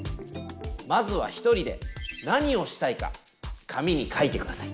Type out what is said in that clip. まずは１人で何をしたいか紙に書いてください。